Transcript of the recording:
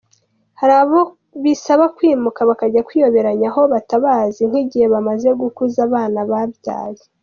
Hari abo bisaba kwimuka bakajya kwiyoberanya aho batabazi, nk’igihe bamaze gukuza abana babyaye.